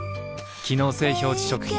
機能性表示食品